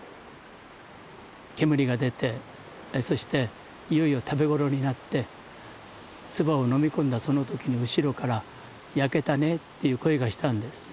煙が出てそしていよいよ食べ頃になって唾を飲み込んだその時に後ろから「焼けたね」っていう声がしたんです。